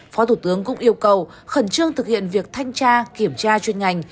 phó thủ tướng cũng yêu cầu khẩn trương thực hiện việc thanh tra kiểm tra chuyên ngành